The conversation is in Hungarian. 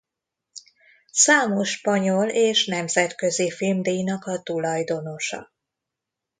Számos spanyol és nemzetközi filmdíjnak a tulajdonosa.